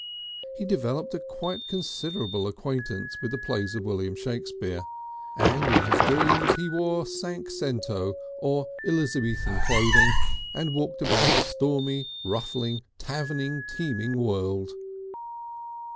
He developed a quite considerable acquaintance with the plays of William Shakespeare, and in his dreams he wore cinque cento or Elizabethan clothes, and walked about a stormy, ruffling, taverning, teeming world.